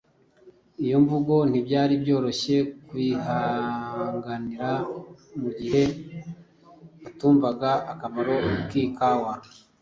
Iyo mvune ntibyari byoroshye kuyihanganira mu gihe batumvaga akamaro k'ikawa